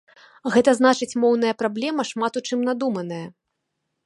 Гэта значыць моўная праблема шмат у чым надуманая.